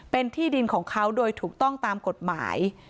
เป็นที่ดินของเขาโดยถูกต้องตามกฎหมาย